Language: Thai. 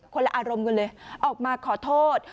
ละอารมณ์กันเลยออกมาขอโทษ